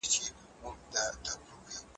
هر کار خپل وخت غواړي.